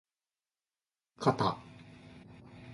かた